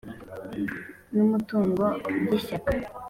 n umutungo by Ishyaka